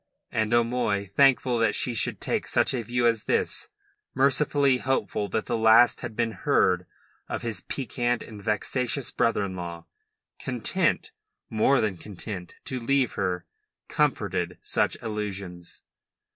And O'Moy, thankful that she should take such a view as this mercifully hopeful that the last had been heard of his peccant and vexatious brother in law content, more than content, to leave her comforted such illusions.